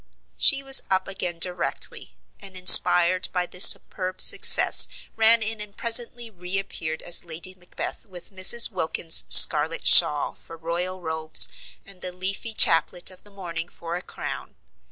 She was up again directly, and, inspired by this superb success, ran in and presently reappeared as Lady Macbeth with Mrs. Wilkins's scarlet shawl for royal robes, and the leafy chaplet of the morning for a crown.